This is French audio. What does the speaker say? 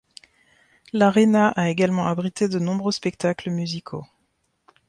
L'aréna a également abrité de nombreux spectacles musicaux.